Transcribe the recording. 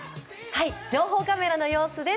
情報カメラの様子です。